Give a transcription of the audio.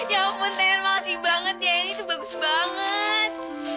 ya ampun ten makasih banget ya ini tuh bagus banget